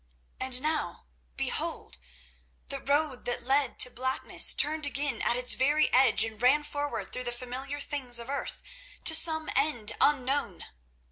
And now, behold! the road that led to that blackness turned again at its very edge, and ran forward through the familiar things of earth to some end unknown.